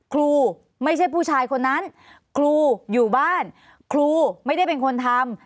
ครูไม่ใช่ผู้ชายคนนั้นครูอยู่บ้านครูไม่ได้เป็นคนทำ